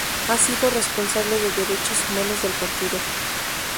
Ha sido responsable de Derechos Humanos del partido.